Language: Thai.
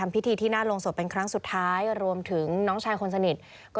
หาพี่เหมือนอะไรอ่ะ